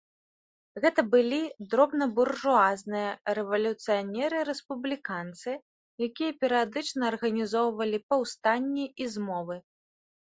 Гэта былі дробнабуржуазныя рэвалюцыянеры-рэспубліканцы, якія перыядычна арганізоўвалі паўстанні і змовы.